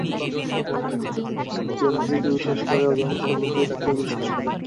যে নিজেকে বিশ্বাস করে অধিকাংশ লোকেই তাকে বিশ্বাস করে।